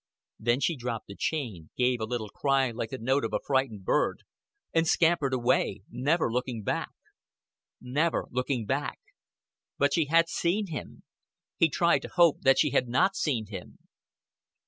Then she dropped the chain, gave a little cry like the note of a frightened bird, and scampered away never looking back. Never looking back. But she had seen him. He tried to hope that she had not seen him.